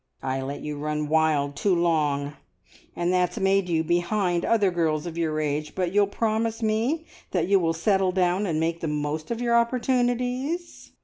I let you run wild too long, and that's made you behind other girls of your age, but you'll promise me that you will settle down, and make the most of your opportunities?"